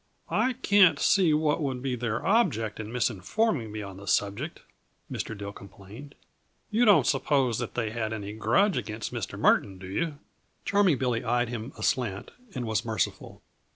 "I can't see what would be their object in misinforming me on the subject," Mr. Dill complained. "You don't suppose that they had any grudge against Mr. Murton, do you?" Charming Billy eyed him aslant and was merciful.